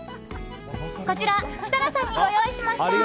こちら、設楽さんにご用意しました。